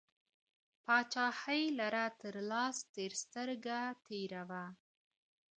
پاچهۍ لره تر لاس تر سترگه تېر وه